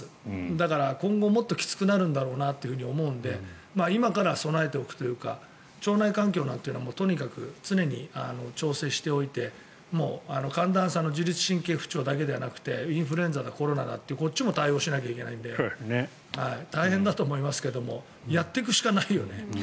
だから今後もっときつくなるんだろうなと思うので今から備えておくというか腸内環境なんていうのはとにかく常に調整しておいて寒暖差の自律神経不調だけではなくてインフルエンザだコロナだとこっちも対応しなきゃいけないので大変だと思いますがやっていくしかないよね。